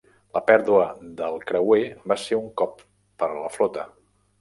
La pèrdua del creuer va ser un cop per a la flota.